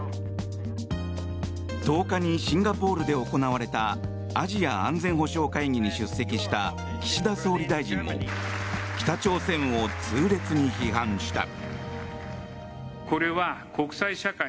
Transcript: １０日にシンガポールで行われたアジア安全保障会議に出席した岸田総理大臣も北朝鮮を痛烈に批判した。